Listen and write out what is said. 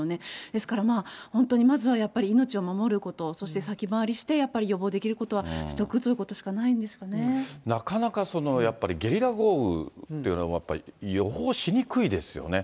ですから、本当にまずはやっぱり命を守ること、そして先回りしてやっぱり予防できることはしとくということしかなかなかやっぱり、ゲリラ豪雨っていうのはやっぱり予報しにくいですよね。